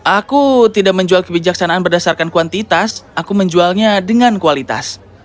aku tidak menjual kebijaksanaan berdasarkan kuantitas aku menjualnya dengan kualitas